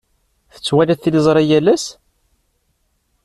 Tettwaliḍ tiliẓri yal ass?